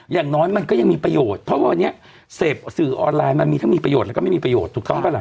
อย่างน้อยมันก็ยังมีประโยชน์เพราะวันนี้เสพสื่อออนไลน์มันมีทั้งมีประโยชน์แล้วก็ไม่มีประโยชน์ถูกต้องปะล่ะ